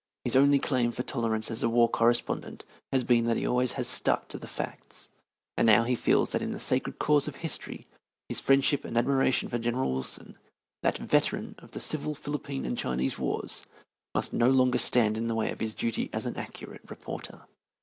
His only claim for tolerance as a war correspondent has been that he always has stuck to the facts, and now he feels that in the sacred cause of history his friendship and admiration for General Wilson, that veteran of the Civil, Philippine, and Chinese Wars, must no longer stand in the way of his duty as an accurate reporter.